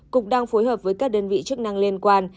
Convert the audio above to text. cục đang phối hợp với các đơn vị chức năng liên quan